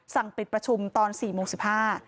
สั่งปิดประชุมตอน๔โมง๑๕น